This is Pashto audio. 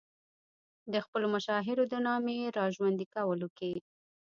د خپلو مشاهیرو د نامې را ژوندي کولو کې.